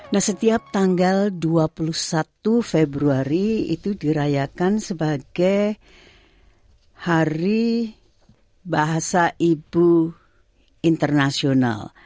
nah setiap tanggal dua puluh satu februari itu dirayakan sebagai hari bahasa ibu internasional